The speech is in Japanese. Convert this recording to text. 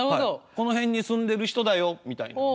「この辺に住んでる人だよ」みたいなね。